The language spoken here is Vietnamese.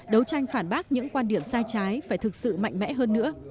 đấu tranh phản bác những quan điểm sai trái phải thực sự mạnh mẽ hơn nữa